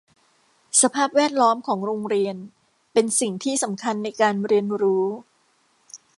สภาพแวดล้อมของโรงเรียนเป็นสิ่งที่สำคัญในการเรียนรู้